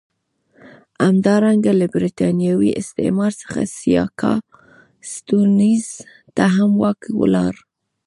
همدارنګه له برېتانوي استعمار څخه سیاکا سټیونز ته هم واک ولاړ.